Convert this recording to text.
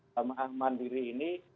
pemerintah mandiri ini